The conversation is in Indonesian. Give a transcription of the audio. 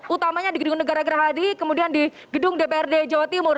utamanya di gitu negara gerhadi kemudian di gitu dprd jawa timur